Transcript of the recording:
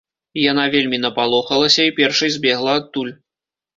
Яна вельмі напалохалася і першай збегла адтуль.